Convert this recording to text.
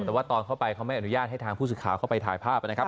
แต่ว่าตอนเข้าไปเขาไม่อนุญาตให้ทางผู้สื่อข่าวเข้าไปถ่ายภาพนะครับ